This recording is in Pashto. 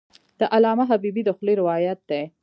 د علامه حبیبي د خولې روایت دی.